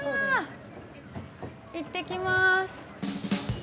行ってきます。